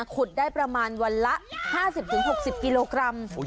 ขุดได้ประมาณวันละ๕๐๖๐กิโลกรัม